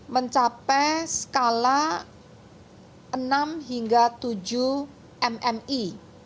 mencapai skala enam hingga tujuh mmi